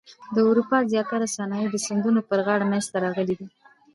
د اروپا زیاتره صنایع د سیندونو پر غاړه منځته راغلي دي.